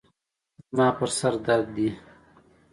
زما پر سر درد دی.